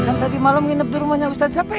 kan tadi malam nginep di rumahnya ustadz spee